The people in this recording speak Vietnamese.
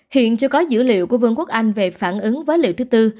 hiện chưa có dữ liệu của vương quốc anh về phản ứng với liệu thứ tư